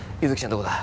どこだ？